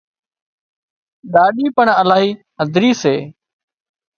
ڏاڏِي پڻ الاهي هڌري سي